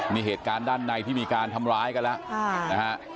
มีเหตุการณ์ด้านในที่มีการทำร้ายกันแล้วนะฮะ